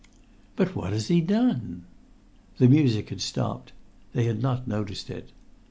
"But what has he done?" The music had stopped. They had not noticed it.